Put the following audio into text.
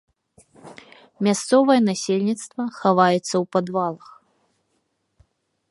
Мясцовае насельніцтва хаваецца ў падвалах.